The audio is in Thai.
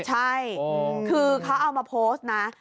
ใช่คือเขาเอามาโพสต์นะ